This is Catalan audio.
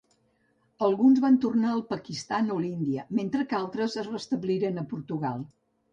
Alguns van tornar al Pakistan o l'Índia, mentre que altres es restabliren a Portugal.